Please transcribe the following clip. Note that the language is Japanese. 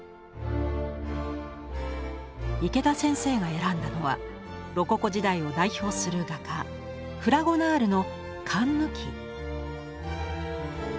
池田先生が選んだのはロココ時代を代表する画家フラゴナールの「かんぬき」。